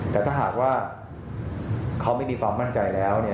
แต่ถ้าหากว่าเขาไม่มีความมั่นใจแล้ว